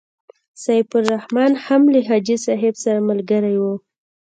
سیف الرحمن هم له حاجي صاحب سره ملګری وو.